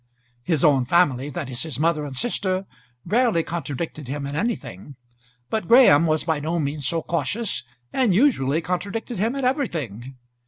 His own family, that is, his mother and sister, rarely contradicted him in anything; but Graham was by no means so cautious, and usually contradicted him in everything.